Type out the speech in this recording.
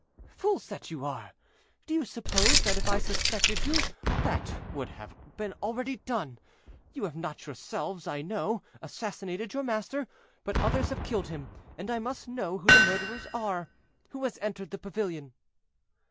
"Fools that you are; do you suppose that if I suspected you, that would have already been done? You have not yourselves, I know, assassinated your master, but others have killed him; and I must know who the murderers are. Who has entered the pavilion?"